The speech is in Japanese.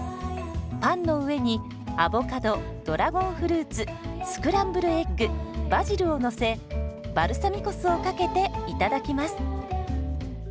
パンの上にアボカドドラゴンフルーツスクランブルエッグバジルをのせバルサミコ酢をかけていただきます。